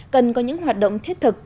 cần có những hoạt động thiết thực